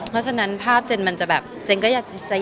เพราะฉะนั้นภาพแจนจะอยากทำธุรกิจด้วย